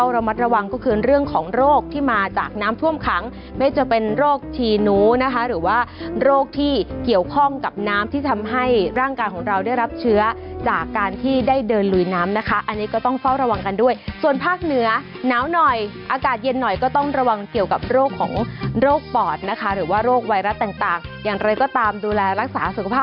ระมัดระวังก็คือเรื่องของโรคที่มาจากน้ำท่วมขังไม่จะเป็นโรคชีนูนะคะหรือว่าโรคที่เกี่ยวข้องกับน้ำที่ทำให้ร่างกายของเราได้รับเชื้อจากการที่ได้เดินลุยน้ำนะคะอันนี้ก็ต้องเฝ้าระวังกันด้วยส่วนภาคเหนือหนาวหน่อยอากาศเย็นหน่อยก็ต้องระวังเกี่ยวกับโรคของโรคปอดนะคะหรือว่าโรคไวรัสต่างอย่างไรก็ตามดูแลรักษาสุขภาพ